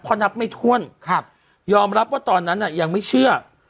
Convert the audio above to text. เพราะนับไม่ถ้วนครับยอมรับว่าตอนนั้นยังไม่เชื่อ